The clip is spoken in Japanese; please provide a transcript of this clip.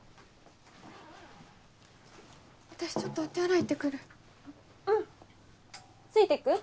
私ちょっとお手洗い行ってくるうんついてく？